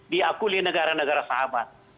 diakui negara negara sahabat